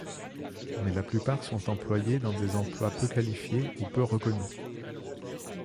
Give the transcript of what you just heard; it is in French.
Mais la plupart sont employés dans des emplois peu qualifiés ou peu reconnus.